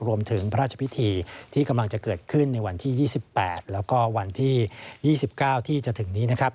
รวมถึงพระราชพิธีที่กำลังจะเกิดขึ้นในวันที่๒๘แล้วก็วันที่๒๙ที่จะถึงนี้นะครับ